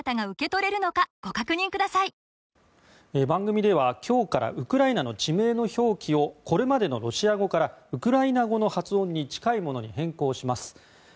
番組では、今日からウクライナの地名の表記をこれまでのロシア語からウクライナ語の発音に近いものに変更します。